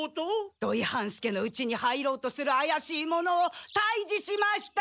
土井半助のうちに入ろうとするあやしい者を退治しました！